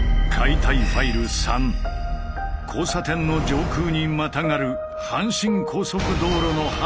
交差点の上空にまたがる阪神高速道路の橋